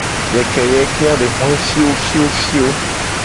Yekeyeke a le hoe fiofiofio.